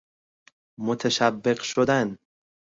متشوق شدن